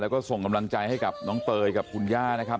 แล้วก็ส่งกำลังใจให้กับน้องเตยกับคุณย่านะครับ